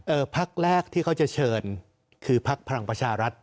เอ่อภักด์แรกที่เขาจะเชิญคือภักดิ์พลังประชารัฐ